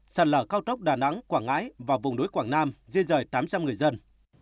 sàn lở cao trốc đà nẵng quảng ngãi và vùng núi quảng nam riêng rời tám trăm linh người dân